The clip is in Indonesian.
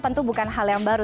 tentu bukan hal yang baru